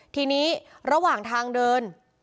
ทีนี้ระหว่างทางเดิน